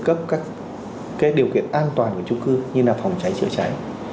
cấp các điều kiện an toàn của trung cư như là phòng cháy chữa cháy